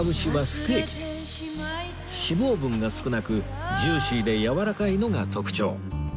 脂肪分が少なくジューシーでやわらかいのが特徴